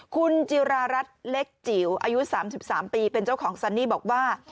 คุณจิรารัสเล็กจิ๋วอายุ๓๓ปีเป็นเจ้าของซันนี่บอกว่า